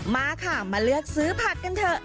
มาค่ะมาเลือกซื้อผักกันเถอะ